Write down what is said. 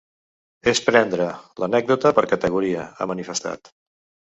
“És prendre l’anècdota per categoria”, ha manifestat.